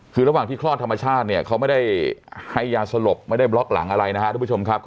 คือระหว่างที่คลอดธรรมชาติเนี่ยเขาไม่ได้ให้ยาสลบไม่ได้บล็อกหลังอะไรนะครับทุกผู้ชมครับ